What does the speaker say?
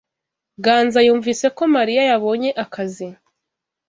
Ganza yumvise ko Mariya yabonye akazi.